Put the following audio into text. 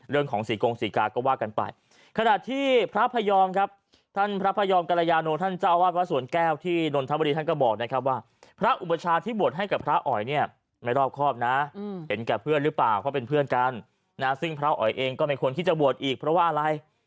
เรื่องของศรีโกงศรีกาก็ว่ากันไป